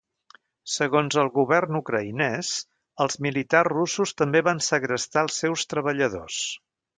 Segons el govern ucraïnès, els militars russos també van segrestar els seus treballadors.